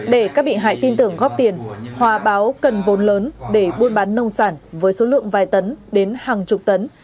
để các bị hại tin tưởng góp tiền hòa báo cần vốn lớn để buôn bán nông sản với số lượng vài tấn đến hàng chục tấn